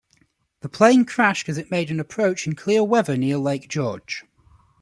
The plane crashed as it made an approach in clear weather near Lake George.